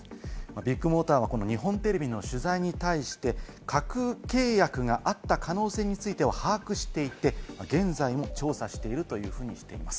ビッグモーターは、この日本テレビの取材に対して、架空契約があった可能性については把握していて、現在も調査しているというふうにしています。